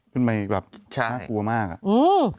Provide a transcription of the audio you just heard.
ขึ้นไปแบบใช่โหมากอะอื้อ